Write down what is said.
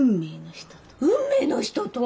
運命の人と？